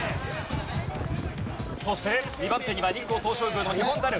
そして２番手には日光東照宮のニホンザル。